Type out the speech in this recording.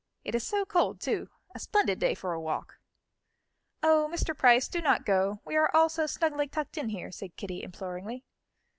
It is so cold, too; a splendid day for a walk." "Oh, Mr. Price, do not go; we are all so snugly tucked in here," said Kitty imploringly.